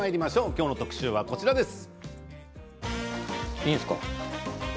今日の特集はこちらです。